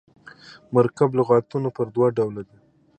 مرکب لغاتونه پر دوه ډوله دي.